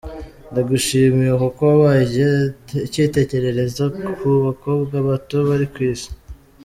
Ndagushimiye kuko wabaye icyitegererezo ku bakobwa bato bari ku Isi”.